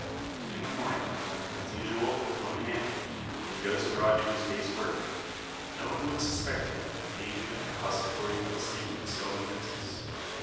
In the morning, when, as usual, hoe in hand, he goes abroad to his day's work, no one would suspect him of being the depository of a secret so momentous.